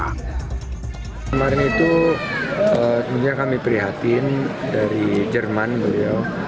kemarin itu tentunya kami prihatin dari jerman beliau